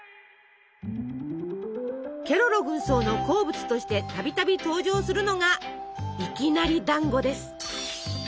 ケロロ軍曹の好物としてたびたび登場するのがいきなりだんごです。